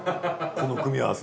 この組み合わせ。